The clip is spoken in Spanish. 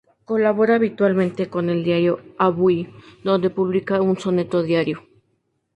Colabora habitualmente con el diario "Avui", donde publica un soneto diario.